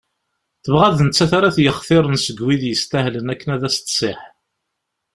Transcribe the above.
Tebɣa d nettat ara t-yextiren seg wid yestahlen akken ad as-d-tsiḥ.